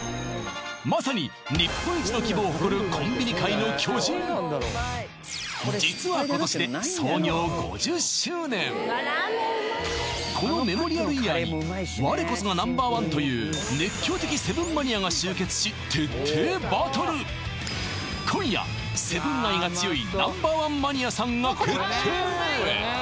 まさに日本一の規模を誇る実は今年でこの我こそがＮｏ．１という熱狂的セブンマニアが集結し徹底バトル今夜セブン愛が強いＮｏ．１マニアさんが決定